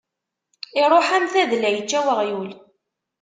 Iṛuḥ am tadla yečča uɣyul.